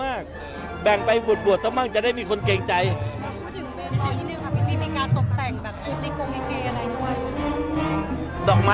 ดอกไม้สดทั้งหมด